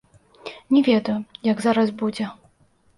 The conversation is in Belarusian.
Не ведаю, як зараз будзе.